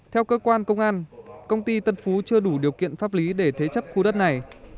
theo cơ quan công an công ty tân phú chưa đủ điều kiện pháp lý để thế chấp khu đất này